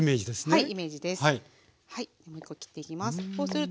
はい。